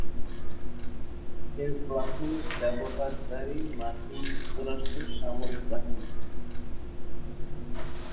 এর প্রাথমিক ব্যবহারকারী মার্কিন যুক্তরাষ্ট্রের সামরিক বাহিনী।